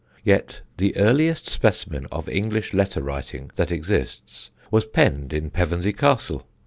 Yet the earliest specimen of English letter writing that exists was penned in Pevensey Castle.